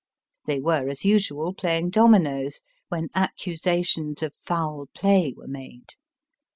They were, as usual, playing dominoes, when accusations of foul play were made.